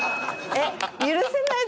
「えっ？